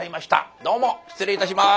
どうも失礼いたします。